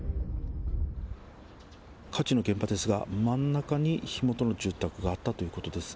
火事の現場ですが、真ん中に火元の住宅があったということです。